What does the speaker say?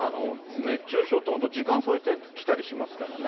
熱中症って、本当、時間差置いて来たりしますからね。